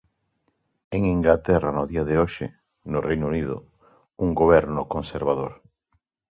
En Inglaterra no día de hoxe, no Reino Unido, un Goberno conservador.